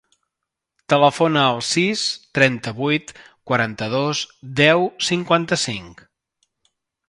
Telefona al sis, trenta-vuit, quaranta-dos, deu, cinquanta-cinc.